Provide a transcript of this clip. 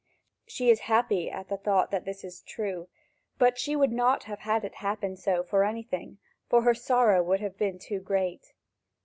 She is happy at the thought that this is true, but she would not have had it happen so for anything, for her sorrow would have been too great.